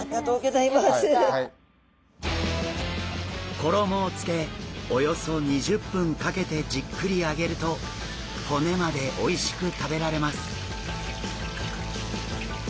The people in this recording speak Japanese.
衣をつけおよそ２０分かけてじっくり揚げると骨までおいしく食べられます。